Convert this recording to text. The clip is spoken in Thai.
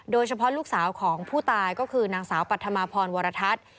โดยเฉพาะลูกสาวของผู้ตายก็คือนางสาวปัธมาพรวรทัศน์